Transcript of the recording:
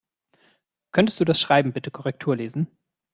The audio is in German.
Könntest du das Schreiben bitte Korrektur lesen?